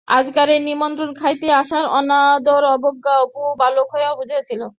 আজকার এই নিমন্ত্রণ খাইতে আসার অনাদর, অবজ্ঞা, অপু বালক হইলেও বুঝিযাছিল।